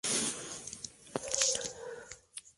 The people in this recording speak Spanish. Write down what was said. E. Sant Andreu, que acababa de ascender a la categoría de plata.